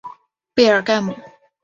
贝尔盖姆。